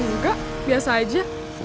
enggak biasa aja